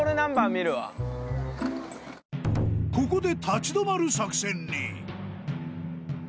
［ここで］